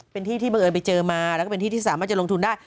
เป็นที่ที่บังเอิญไปเจอมาแล้วก็เป็นที่ที่สามารถจะลงทุนได้